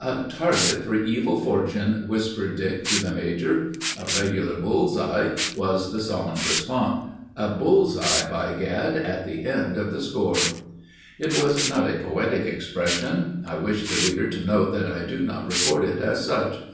"A target for evil fortune," whispered Dick to the major. "A regular bull's eye!" was the solemn response. "A bull's eye, by gad! at the end of the score." It was not a poetic expression. I wish the reader to note that I do not record it as such.